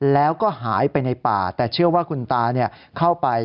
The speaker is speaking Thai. แล้วก็หายไปในป่าแต่เชื่อว่าคุณตาเข้าไป